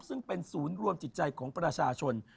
ซึ่งเป็นศูนย์รวมจิตใจของประชาชน